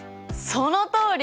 そのとおり！